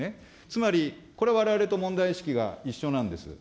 つまり、これ、われわれと問題意識が一緒なんです。